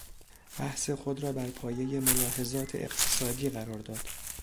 بحث خود را بر پایهی ملاحظات اقتصادی قرار داد.